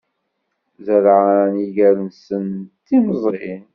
Zerɛen iger-nsen d timẓin.